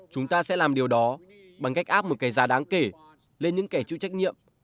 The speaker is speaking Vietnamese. chúng ta sẽ làm điều đó bằng cách áp một kẻ già đáng kể lên những kẻ chịu trách nhiệm